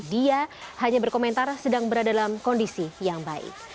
dia hanya berkomentar sedang berada dalam kondisi yang baik